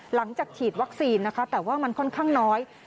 หลังจากฉีดวัคซีนนะคะแต่ว่ามันค่อนข้างน้อย